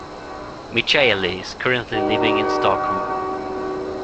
Michaeli is currently living in Stockholm.